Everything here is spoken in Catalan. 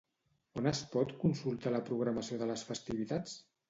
On es pot consultar la programació de les festivitats?